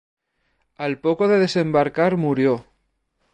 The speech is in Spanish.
Al poco de desembarcar murió.